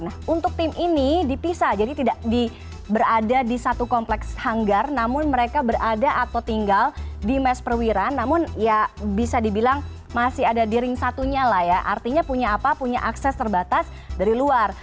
nah untuk tim ini dipisah jadi tidak berada di satu kompleks hanggar namun mereka berada atau tinggal di mes perwira namun ya bisa dibilang masih ada di ring satunya lah ya artinya punya apa punya akses terbatas dari luar